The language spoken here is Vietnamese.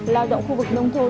lao động khu vực nông thôn